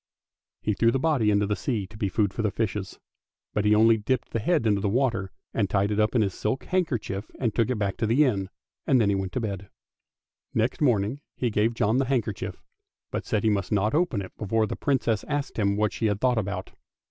He threw the body into the sea to be food for fishes, but he only dipped the head into the water, and tied it up in his silk hand kerchief and took it back to the inn, and he then went to bed. Next morning he gave John the handkerchief, but said he must not open it before the Princess asked him what she had thought about.